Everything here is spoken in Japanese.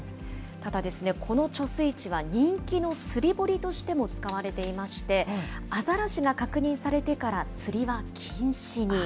ただですね、この貯水池は人気の釣堀としても使われていまして、アザラシが確認されてから釣りは禁止に。